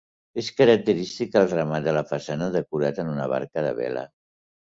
És característic el remat de la façana, decorat amb una barca de vela.